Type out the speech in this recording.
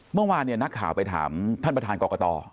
เมื่อวานเนี่ยนักข่าวไปถามท่านประธานกรกต